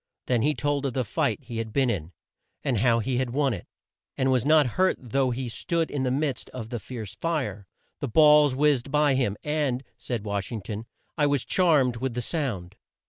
Then he told of the fight he had been in, and how he had won it, and was not hurt though he stood in the midst of the fierce fire. The balls whizzed by him, "and," said Wash ing ton "I was charmed with the sound."